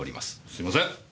すいません。